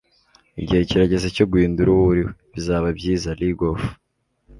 igihe kirageze cyo guhindura uwo uriwe bizaba byiza - lee goff